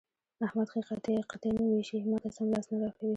احمد ښې قطعې نه وېشي؛ ما ته سم لاس نه راکوي.